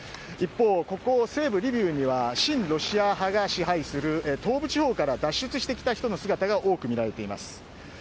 一方、ここ西部リビウには親ロシア派が支配する東部地方から脱出してきた人の姿が多くみられています。